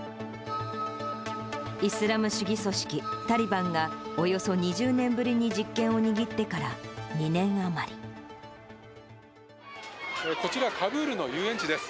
イスラム主義組織タリバンが、およそ２０年ぶりに実権を握ってこちら、カブールの遊園地です。